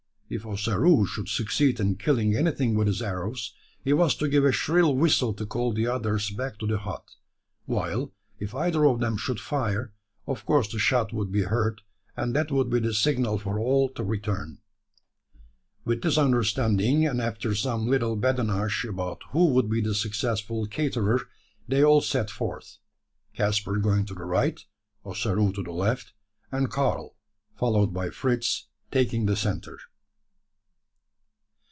If Ossaroo should succeed in killing anything with his arrows, he was to give a shrill whistle to call the others back to the hut; while if either of them should fire, of course the shot would be heard, and that would be the signal for all to return. With this understanding, and after some little badinage about who would be the successful caterer, they all set forth, Caspar going to the right, Ossaroo to the left, and Karl, followed by Fritz, taking the centre.